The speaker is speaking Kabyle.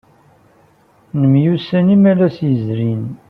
Nemyussan imalas yezrin.